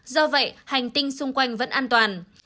do vậy hành tinh xung quanh vẫn an toàn